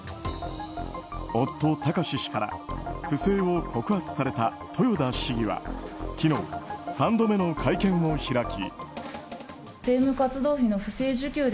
夫・貴志氏から不正を告発された豊田市議は昨日、３度目の会見を開き。